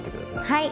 はい。